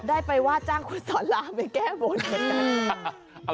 ได้ไปวาจ้างคุณสอนลามไปแก้บนกัน